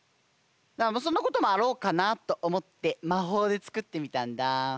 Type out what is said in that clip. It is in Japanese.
そんなこともあろうかなとおもってまほうでつくってみたんだ。